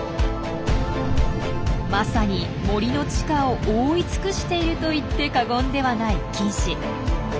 まさに森の地下を覆い尽くしていると言って過言ではない菌糸。